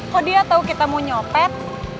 kok dia tahu kita mau nyopet